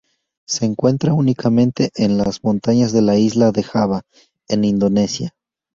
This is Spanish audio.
Se encuentra únicamente en las montañas de la isla de Java, en Indonesia.